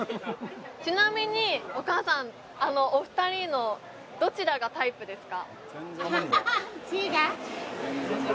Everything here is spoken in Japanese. ちなみにお母さんお二人のどちらがタイプですか？